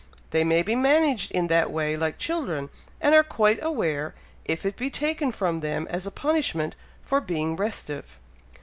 They may be managed in that way like children, and are quite aware, if it be taken from them as a punishment for being restive."